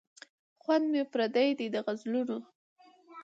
خوند مي پردی دی د غزلونو